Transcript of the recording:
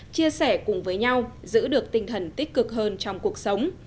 chia sẻ cùng với nhau giữ được tinh thần tích cực hơn trong cuộc sống